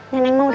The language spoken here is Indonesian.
neneng mah udah